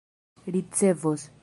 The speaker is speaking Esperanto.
ricevos